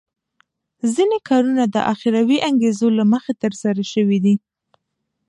ځینې کارونه د اخروي انګېزو له مخې ترسره شوي دي.